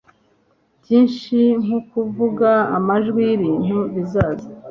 Byinshi nkukuvuga amajwi yibintu bizaza